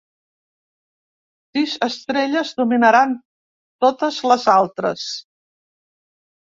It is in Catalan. Sis estrelles dominaran totes les altres.